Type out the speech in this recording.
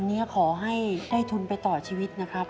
อันนี้ขอให้ได้ทุนไปต่อชีวิตนะครับ